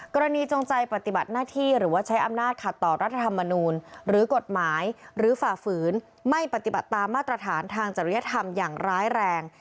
จงใจปฏิบัติหน้าที่หรือว่าใช้อำนาจขัดต่อรัฐธรรมนูลหรือกฎหมายหรือฝ่าฝืนไม่ปฏิบัติตามมาตรฐานทางจริยธรรมอย่างร้ายแรง